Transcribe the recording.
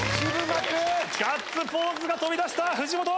ガッツポーズが飛び出した藤本！